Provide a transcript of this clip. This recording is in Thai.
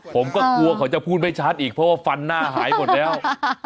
ผมก็กลัวเขาจะพูดไม่ชัดอีกเพราะว่าฟันหน้าหายหมดแล้ว